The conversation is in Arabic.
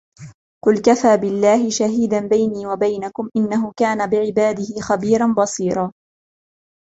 قُلْ كَفَى بِاللَّهِ شَهِيدًا بَيْنِي وَبَيْنَكُمْ إِنَّهُ كَانَ بِعِبَادِهِ خَبِيرًا بَصِيرًا